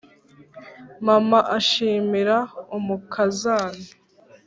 mama ashimira ubukazana.